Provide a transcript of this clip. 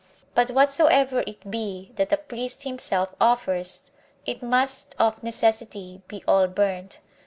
But whatsoever it be that a priest himself offers, it must of necessity be all burnt.